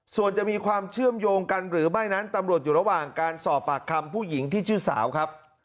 ส่วนจะมีความเชื่อมโยงกันหรือไม่นั้นตำรวจอยู่ระหว่างการสอบปากคำผู้หญิงที่ชื่อสาวครับ